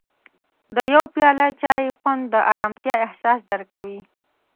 د یو پیاله چای خوند د ارامتیا احساس درکوي.